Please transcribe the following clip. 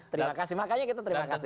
terima kasih makanya kita terima kasih